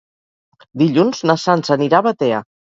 Dilluns na Sança anirà a Batea.